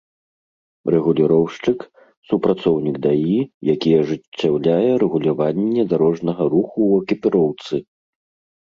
Рэгуліроўшчык — супрацоўнік ДАІ, які ажыццяўляе рэгуляванне дарожнага руху ў экіпіроўцы